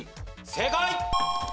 正解！